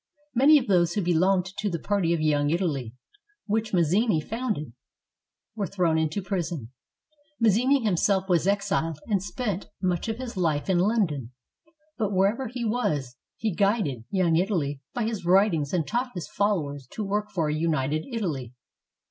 Many of those who belonged to the party of "Young Italy," which Mazzini founded, were thrown into prison. Mazzini himself was exiled 128 HOW ITALY BECAME A UNITED COUNTRY and spent much of his life in London. But wherever he was, he guided "Young Italy" by his writings and taught his followers to work for a united Italy.